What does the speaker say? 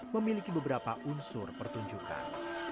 memiliki beberapa unsur pertunjukan